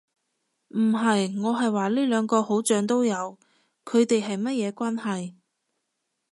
唔係。我係話呢兩個好像都有，佢地係乜嘢關係